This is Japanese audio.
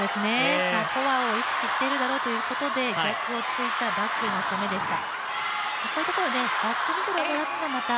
フォアを意識してるだろうということで逆に突いたバックへの攻めでした。